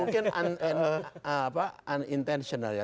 mungkin unintentional ya